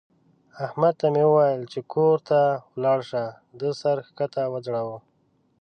احمد ته مې وويل چې کور ته ولاړ شه؛ ده سر کښته وځړاوو.